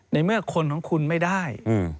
ในเมื่อคนของคุณไม่ได้